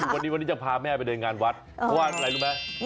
วันนี้วันนี้จะพาแม่ไปเดินงานวัดเพราะว่าอะไรรู้ไหม